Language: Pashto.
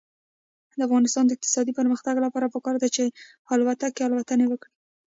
د افغانستان د اقتصادي پرمختګ لپاره پکار ده چې الوتکې الوتنې وکړي.